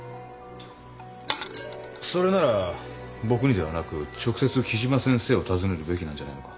それなら僕にではなく直接木島先生を訪ねるべきなんじゃないのか？